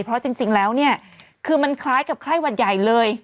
เพราะจริงแล้วเนี่ยคือมันคล้ายกับไข้หวัดใหญ่เลย